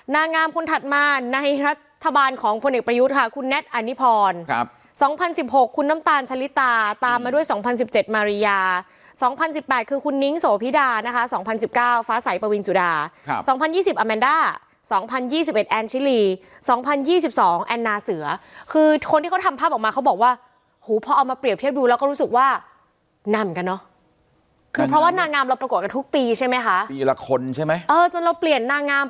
นางามคุณถัดมาในรัฐบาลของพลเอกประยุทธ์ค่ะคุณแน็ตอันนิพร๒๐๑๖คุณน้ำตาลชะลิตาตามมาด้วย๒๐๑๗มารียา๒๐๑๘คือคุณนิ้งโสพิดานะคะ๒๐๑๙ฟ้าใสประวินสุดา๒๐๒๐อาแมนดา๒๐๒๑แอนด์ชิลี๒๐๒๒แอนด์นาเสือคือคนที่เขาทำภาพออกมาเขาบอกว่าหูพอเอามาเปรียบเทียบดูแล้วก็รู้สึกว่านางามเหมือนกันเนาะคือเพราะว่